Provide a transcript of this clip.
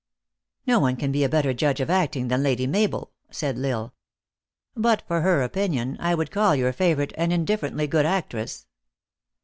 "No one can be a better judge of acting than Lady Mabel," said L Isle. "But for her opinion, I would call your favorite an indifferently good actress."